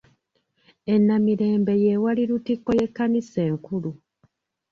E Namirembe ye wali lutikko y’Ekkanisa enkulu.